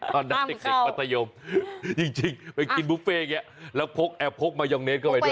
ตอนนั้นเด็กมัธยมจริงไปกินบุฟเฟ่อย่างนี้แล้วพกแอร์พกมายองเนสเข้าไปด้วย